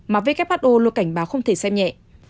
mà who luôn cảnh báo không thể xem nhẹ